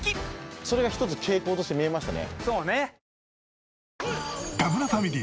それが一つ傾向として見えましたね。